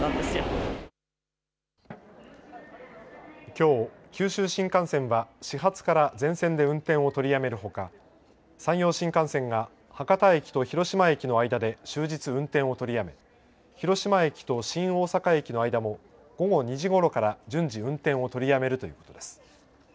きょう九州新幹線は始発から全線で運転を取りやめるほか、山陽新幹線が博多駅と広島駅の間で終日運転を取りやめ、広島駅と新大阪駅の間も午後２時頃から順次運転を取りやめるということです。